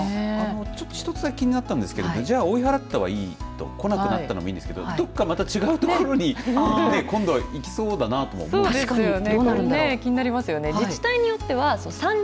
ちょっと一つだけ気になったんですけどじゃあ追い払ったはいいと、来なくなったのもいいんですけどどこかまた違うところに今度は行きそうだなとそうなんですよね。